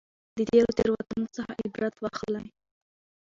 د تېرو تېروتنو څخه عبرت واخلئ.